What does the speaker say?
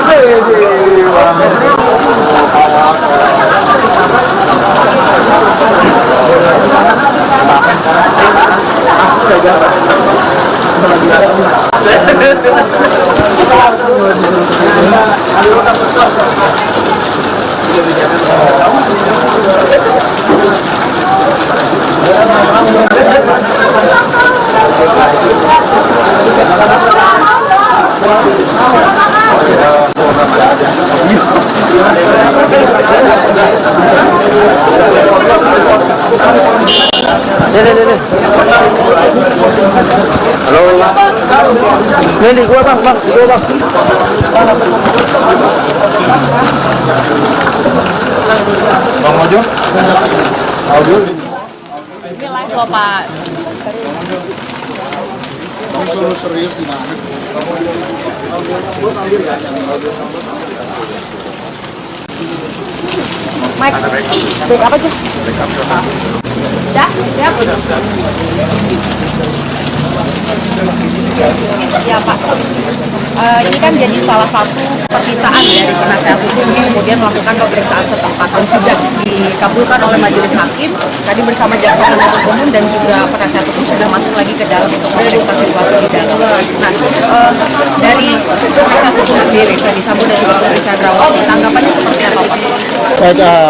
dari penasihat hukum sendiri dari sabun dan juga dari cagrawati tanggapannya seperti apa